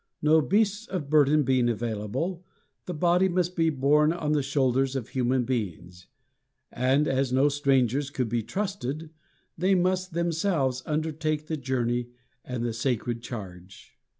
No beasts of burden being available, the body must be borne on the shoulders of human beings; and, as no strangers could be trusted, they must themselves undertake the journey and the sacred charge.